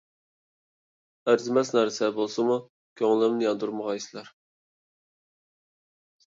ئەرزىمەس نەرسە بولسىمۇ، كۆڭلۈمنى ياندۇرمىغايسىلەر.